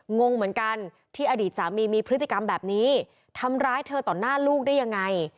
งงเหมือนกันที่อดีตสามีมีพฤติกรรมแบบนี้ทำร้ายเธอต่อหน้าลูกได้ยังไง